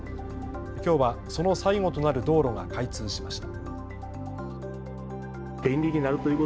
きょうはその最後となる道路が開通しました。